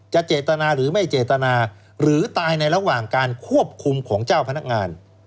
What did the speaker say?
เจตนาหรือไม่เจตนาหรือตายในระหว่างการควบคุมของเจ้าพนักงาน